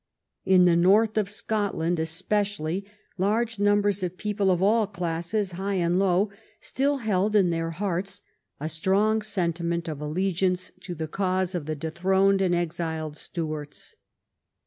In the north of Scotland especially large numbers of people of all classes, high and low, still held in their hearts a strong sentiment of allegiance to the cause of the dethroned and exiled Stuarts.